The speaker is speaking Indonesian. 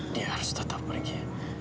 dia harus tetap pergi